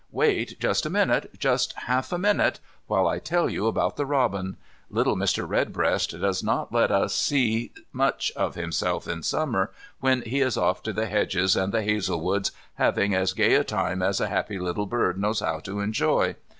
Wait just a minute, just half a minute, while I tell you about the robin. Little Mr. Redbreast does not let us see much of himself in summer, when he is off to the hedges and the hazel woods, having as gay a time as a happy little bird knows how to enjoy.